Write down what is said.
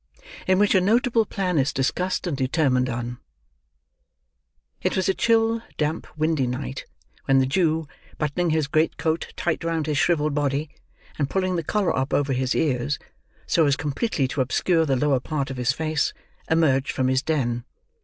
IN WHICH A NOTABLE PLAN IS DISCUSSED AND DETERMINED ON It was a chill, damp, windy night, when the Jew: buttoning his great coat tight round his shrivelled body, and pulling the collar up over his ears so as completely to obscure the lower part of his face: emerged from his den.